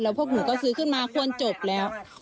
พวกหนูก็ซื้อขึ้นมาควรจบแล้ว